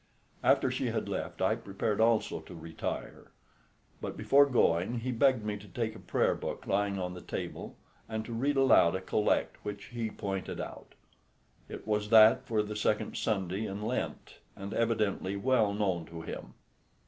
After she had left I prepared also to retire; but before going he begged me to take a prayer book lying on the table, and to read aloud a collect which he pointed out. It was that for the second Sunday in Lent, and evidently well known to him.